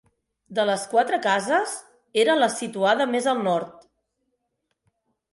De les quatre cases, era la situada més al nord.